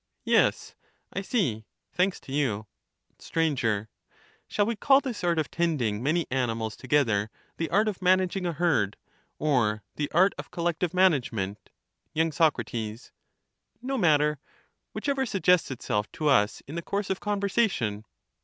Yes, I see, thanks to you. Sir. Shall we call this art of tending many animals it matters together, the art of managing a herd, or the art of collective ^^^^^^ management ? his art Y. Sac. No matter ;— whichever suggests itself to us in the ™^^™^ course of conversation.